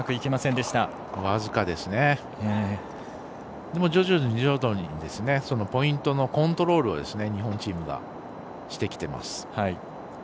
でも徐々にポイントのコントロールを日本チームがしてきてます。